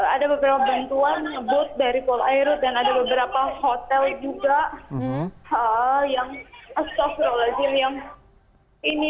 ada beberapa bantuan bot dari polairut dan ada beberapa hotel juga yang asosrolazir yang ini